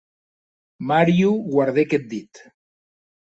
Mario guardèc eth dit.